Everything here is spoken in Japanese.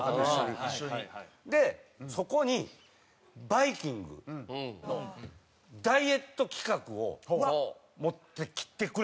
でそこに『バイキング』ダイエット企画を持ってきてくれたんですよ